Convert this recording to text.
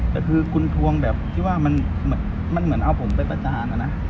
แต่คือคุณทวงแบบที่ว่ามันเหมือนเอาผมไปประจานนะนะ